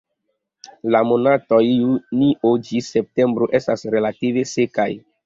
La monatoj junio ĝis septembro estas relative sekaj.